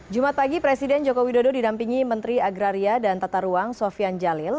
jumat pagi presiden joko widodo didampingi menteri agraria dan tata ruang sofian jalil